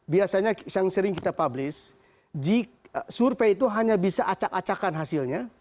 biasanya yang sering kita publish survei itu hanya bisa acak acakan hasilnya